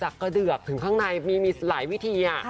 กระเดือกถึงข้างในมีหลายวิธี